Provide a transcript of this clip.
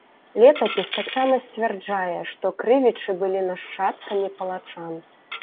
Летапіс таксама сцвярджае, што крывічы былі нашчадкамі палачан.